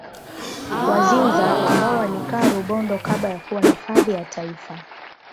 Wazinza ambao walikaa Rubondo kabla ya kuwa hifadhi ya Taifa